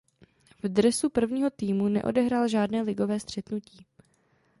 V dresu prvního týmu neodehrál žádné ligové střetnutí.